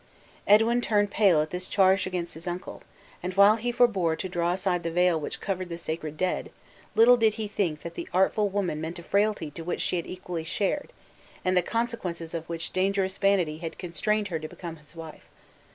Edwin turned pale at this charge against his uncle; and, while he forbore to draw aside the veil which covered the sacred dead, little did he think that the artful woman meant a frailty to which she had equally shared, and the consequences of which dangerous vanity had constrained her to become his wife.